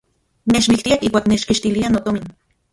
Nechmiktiaj ijkuak nechkixtiliaj notomin.